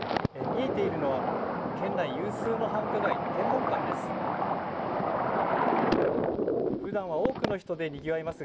見えているのは県内有数の繁華街天文館です。